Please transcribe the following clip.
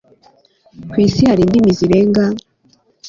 ku isi hari indimi zirenga